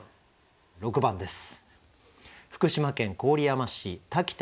６番です。